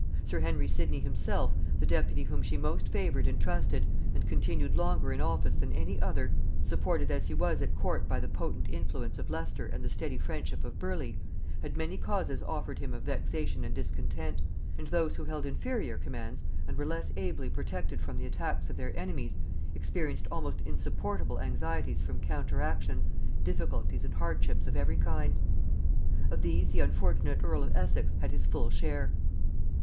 Sir Henry Sidney himself, the deputy whom she most favored and trusted, and continued longer in office than any other, supported as he was at court by the potent influence of Leicester and the steady friendship of Burleigh, had many causes offered him of vexation and discontent; and those who held inferior commands, and were less ably protected from the attacks of their enemies, experienced almost insupportable anxieties from counteractions, difficulties and hardships of every kind. Of these the unfortunate earl of Essex had his full share.